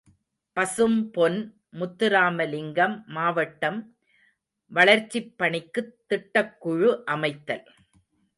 ● பசும்பொன் முத்துராமலிங்கம் மாவட்டம் வளர்ச்சிப் பணிக்குத் திட்டக்குழு அமைத்தல்.